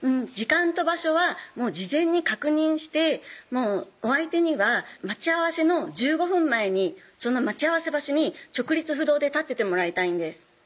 時間と場所は事前に確認してお相手には待ち合わせの１５分前にその待ち合わせ場所に直立不動で立っててもらいたいんです